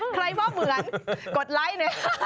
ใครพอเหมือนกดไลค์หน่อย